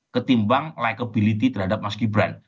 ketimbang likability terhadap mas gibran